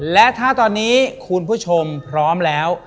และถ้าตอนนี้คุณผู้ชมพร้อมแล้ว